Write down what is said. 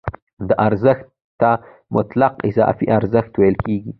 دې ارزښت ته مطلق اضافي ارزښت ویل کېږي